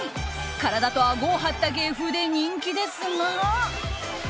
体とあごを張った芸風で人気ですが。